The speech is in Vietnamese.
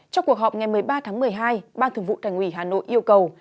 trong cuộc họp ngày một mươi ba tháng một mươi hai ban thường vụ thành ủy hà nội yêu cầu